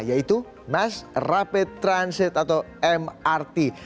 yaitu mass rapid transit atau mrt